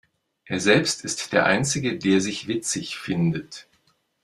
Er selbst ist der Einzige, der sich witzig findet.